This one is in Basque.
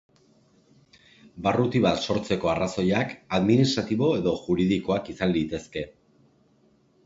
Barruti bat sortzeko arrazoiak administratibo edo juridikoak izan litezke.